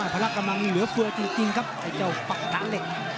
พละกำลังเหลือเฟือจริงครับไอ้เจ้าปากกาเหล็ก